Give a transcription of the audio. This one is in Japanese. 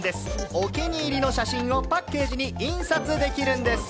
お気に入りの写真をパッケージに印刷できるんです。